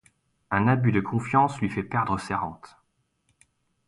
Un abus de confiance lui fait perdre ses rentes.